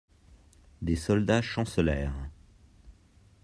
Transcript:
Des soldats chancelèrent.